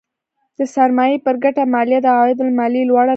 د سرمایې پر ګټه مالیه د عوایدو له مالیې لوړه ده.